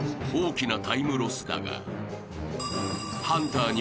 ［大きなタイムロスだが］